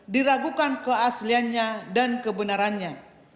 diragukan ke asliannya dan kebenarannya